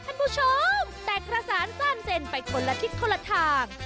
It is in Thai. แก่กระสานสร้างเจนไปคนละทิศคนละทาง